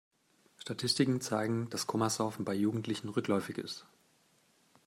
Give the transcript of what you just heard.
Statistiken zeigen, dass Komasaufen bei Jugendlichen rückläufig ist.